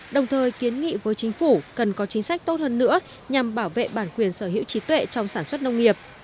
đồng thời kiến nghị với chính phủ cần có chính sách tốt hơn nữa nhằm bảo vệ bản quyền sở hữu trí tuệ trong sản xuất nông nghiệp